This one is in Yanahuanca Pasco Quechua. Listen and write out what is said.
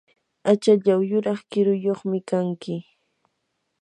achallaw yuraq kiruyuqmi kanki.